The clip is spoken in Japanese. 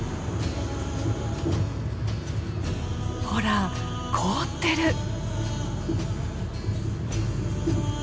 ほら凍ってる。